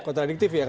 iya kota adiktif